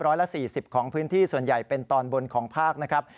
ร้อยละ๔๐ของพื้นที่ส่วนใหญ่เป็นตอนบนของภาคนะครับ